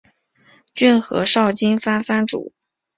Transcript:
骏河沼津藩藩主。